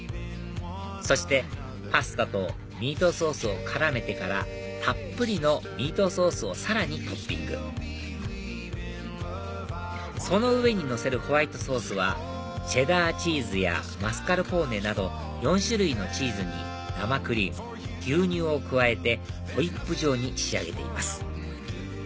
そしてパスタとミートソースを絡めてからたっぷりのミートソースをさらにトッピングその上にのせるホワイトソースはチェダーチーズやマスカルポーネなど４種類のチーズに生クリーム牛乳を加えてホイップ状に仕上げています